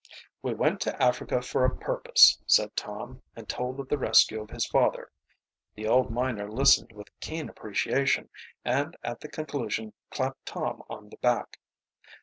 "We went to Africa for a purpose," said Tom, and told of the rescue of his father. The old miner listened with keen appreciation and at the conclusion clapped Tom on the back.